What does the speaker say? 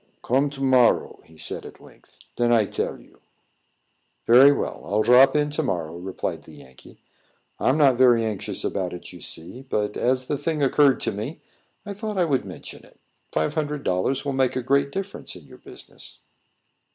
"Come to morrow," he at length said. "Den I tell you." "Very well. I'll drop in to morrow," replied the Yankee. "I'm not very anxious about it, you see; but, as the thing occurred to me, I thought I would mention it. Five hundred dollars will make a great difference in your business."